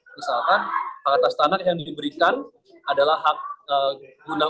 misalkan hak atas tanah yang diberikan adalah hak guna